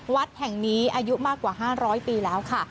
วัดแห่งนี้อายุมากกว่า๕๐๐ปีแล้วค่ะ